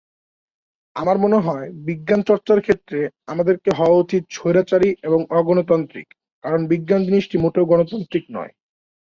বামহাতি ব্যাটসম্যান ও ডানহাতি অফ ব্রেক বোলার হিসেবে তিনি ঘরোয়া ক্রিকেটে কেন্টের পক্ষ হয়ে খেলে থাকেন।